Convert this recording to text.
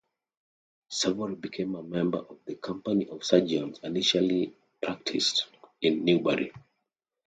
Savory became a member of the Company of Surgeons and initially practiced in Newbury.